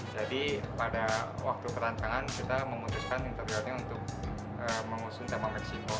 jadi pada waktu perantangan kita memutuskan interiornya untuk mengusung tema meksiko